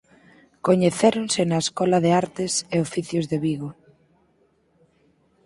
Coñecéronse na Escola de Artes e Oficios de Vigo.